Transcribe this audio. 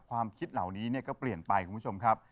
ความคิดเหล่านี้ก็เปลี่ยนไปคุณผู้ชมครับ